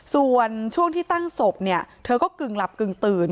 ส่วนช่วงที่ตั้งศพเนี่ยเธอก็กึ่งหลับกึ่งตื่น